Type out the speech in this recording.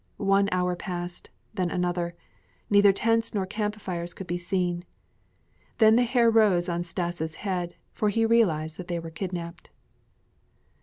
One hour passed, then another; neither tents nor camp fires could be seen. Then the hair rose on Stas' head, for he realized that they were kidnapped.